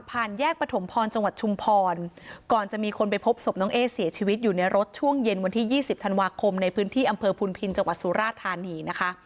แยกปฐมพรจังหวัดชุมพรก่อนจะมีคนไปพบศพน้องเอ๊เสียชีวิตอยู่ในรถช่วงเย็นวันที่ยี่สิบธันวาคมในพื้นที่อำเภอพุนพินจังหวัดสุราธานีนะคะ